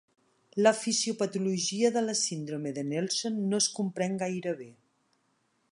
La fisiopatologia de la síndrome de Nelson no es comprèn gaire bé.